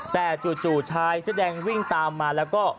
แต่จู่ชายสดังวิ่งตามมาแล้วก็